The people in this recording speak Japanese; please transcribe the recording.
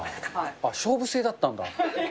勝負制だったんだ。